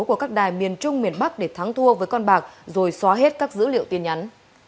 của các đài miền trung miền bắc để thắng thua với con bạc rồi xóa hết các dữ liệu tin nhắn